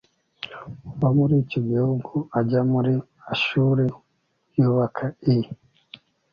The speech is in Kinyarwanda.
ava muri icyo gihugu ajya muri ashuri yubaka i